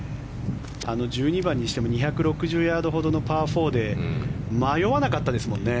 あの１２番にしても２６０ヤードほどのパー４で迷わなかったですもんね。